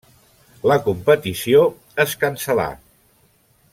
La competició es cancel·là.